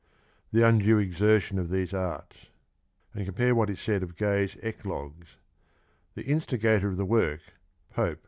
•■":" the undue exertion of those arts: " and compare what is 8 aid of Gay's Eclogues —" The instif^ator of the work (Pope)